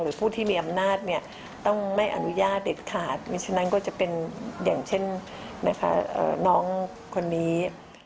หรือผู้ที่มีอำนาจเนี่ยต้องไม่อนุญาตเด็ดขาดฉะนั้นก็จะเป็นอย่างเช่นนะคะน้องคนนี้